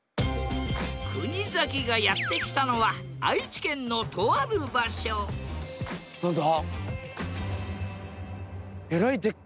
国崎がやって来たのは愛知県のとある場所何だ？